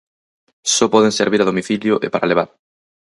Só poden servir a domicilio e para levar.